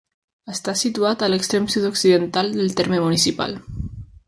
Està situat a l'extrem sud-occidental del terme municipal.